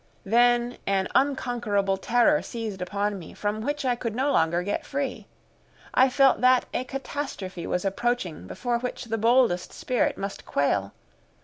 Then an unconquerable terror seized upon me, from which I could no longer get free. I felt that a catastrophe was approaching before which the boldest spirit must quail.